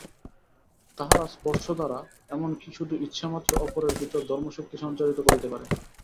তাঁহারা স্পর্শ দ্বারা, এমন কি শুধু ইচ্ছামাত্র অপরের ভিতর ধর্মশক্তি সঞ্চারিত করিতে পারেন।